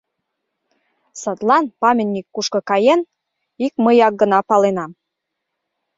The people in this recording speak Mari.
Садлан памятник кушко каен — ик мыяк гына паленам.